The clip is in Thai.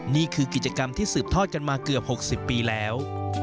นี่คือกิจกรรมที่สืบทอดกันมาเกือบ๖๐ปีแล้ว